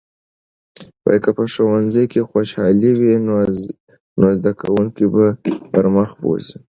که په ښوونځي کې خوشالي وي، نو زده کوونکي به پرمخ بوځي.